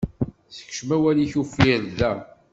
Sekcem awal-ik uffir da.